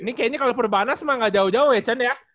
ini kayaknya kalau perbanas mah gak jauh jauh ya chan ya